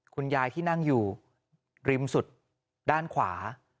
คุณยายที่นั่งอยู่ริมสุดด้านขวา